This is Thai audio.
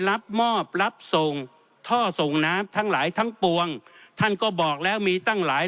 รับมอบรับส่งท่อส่งน้ำทั้งหลายทั้งปวงท่านก็บอกแล้วมีตั้งหลาย